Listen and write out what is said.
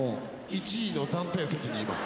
１位の暫定席にいます。